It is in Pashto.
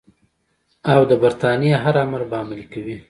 او د برټانیې هر امر به عملي کوي.